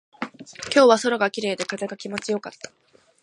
今日は空が綺麗で、風が気持ちよかった。